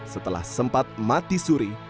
setelah sempat mati suri